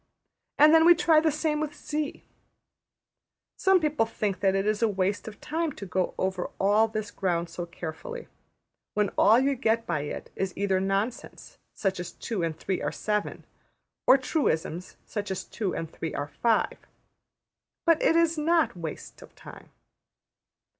And then we try the same with $z$. Some people think that it is waste of time to go over all this ground so carefully, when all you get by it is either nonsense, such as ``2 and 3 are 7''; or truisms, such as ``2 and 3 are 5.'' But it is not waste of time.